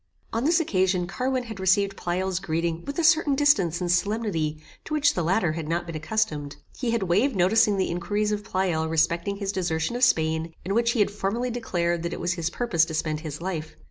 On this occasion Carwin had received Pleyel's greeting with a certain distance and solemnity to which the latter had not been accustomed. He had waved noticing the inquiries of Pleyel respecting his desertion of Spain, in which he had formerly declared that it was his purpose to spend his life.